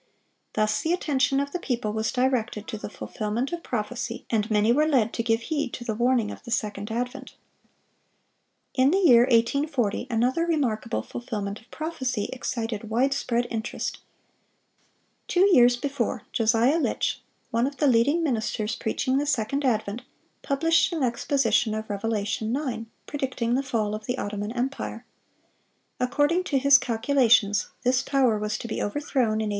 Thus the attention of the people was directed to the fulfilment of prophecy, and many were led to give heed to the warning of the second advent. In the year 1840, another remarkable fulfilment of prophecy excited wide spread interest. Two years before, Josiah Litch, one of the leading ministers preaching the second advent, published an exposition of Revelation 9, predicting the fall of the Ottoman empire. According to his calculations, this power was to be overthrown "in A.